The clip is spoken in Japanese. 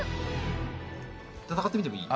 戦ってみてもいい？